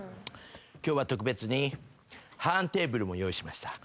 今日は特別にハーンテーブルも用意しました。